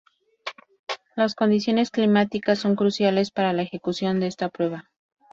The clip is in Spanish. Las condiciones climáticas son cruciales para la ejecución de esta prueba.